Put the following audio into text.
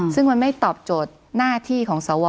ซึ่งมันไม่ตอบโจทย์หน้าที่ของสว